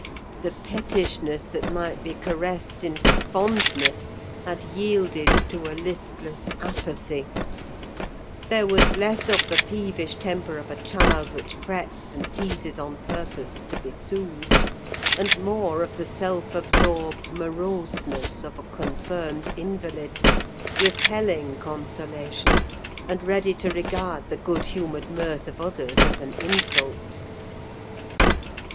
The pettishness that might be caressed into fondness, had yielded to a listless apathy; there was less of the peevish temper of a child which frets and teases on purpose to be soothed, and more of the self absorbed moroseness of a confirmed invalid, repelling consolation, and ready to regard the good humoured mirth of others as an insult.